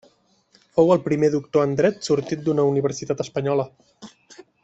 Fou el primer doctor en dret sortit d'una universitat espanyola.